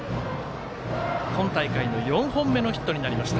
今大会の４本目のヒットになりました。